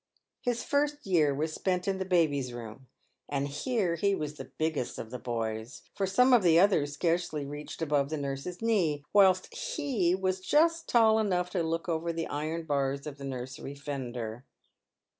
His first year was spent in the babies' room, and here he was the biggest of the boys, for some of the others scarcely reached above the nurse's knee, whilst he was just tall enough to look over the iron bars of the nursery fender.